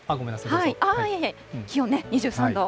気温ね、２３度。